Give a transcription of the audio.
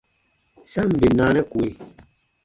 Sa ǹ bè naanɛ kue.